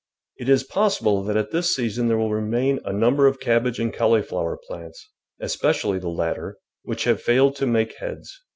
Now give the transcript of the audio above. It is possible that at this season there will remain a number of cabbage and cauliflower plants, espe cially the latter, which have failed to make heads.